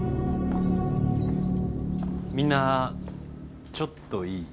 みんなちょっといい？